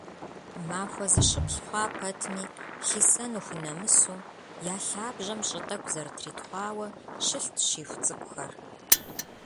Махуэ зыщыплӏ хъуа пэтми, хисэну хунэмысу, я лъабжьэм щӏы тӏэкӏу зэрытритхъуауэ, щылът щиху цӏыкӏухэр.